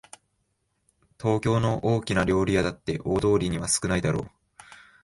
東京の大きな料理屋だって大通りには少ないだろう